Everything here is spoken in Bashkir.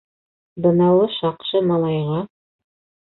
— Бынауы шаҡшы малайға.